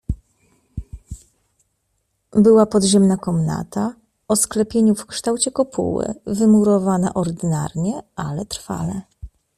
"Była podziemna komnata o sklepieniu w kształcie kopuły, wymurowana ordynarnie ale trwale."